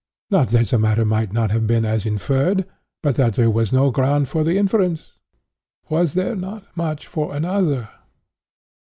Not that the matter might not have been as inferred, but that there was no ground for the inference:—was there not much for another?